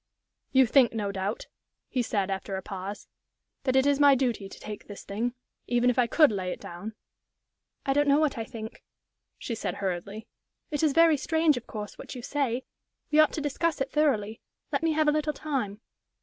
"You think, no doubt," he said, after a pause, "that it is my duty to take this thing, even if I could lay it down?" "I don't know what I think," she said, hurriedly. "It is very strange, of course, what you say. We ought to discuss it thoroughly. Let me have a little time."